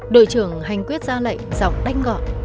đội trưởng hành quyết ra lệnh dọc đánh gọn